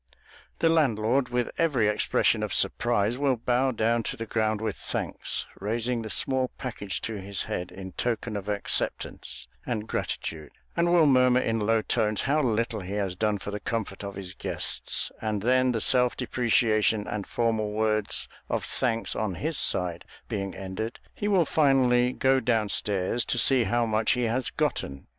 The landlord, with every expression of surprise, will bow down to the ground with thanks, raising the small package to his head in token of acceptance and gratitude, and will murmur in low tones how little he has done for the comfort of his guests; and then, the self depreciation and formal words of thanks on his side being ended, he will finally go down stairs to see how much he has gotten.